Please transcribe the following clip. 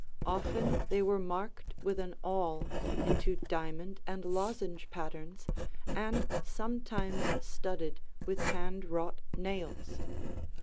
Often they were marked with an awl into diamond and lozenge patterns and sometimes studded with hand wrought nails.